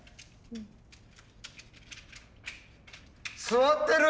座ってる！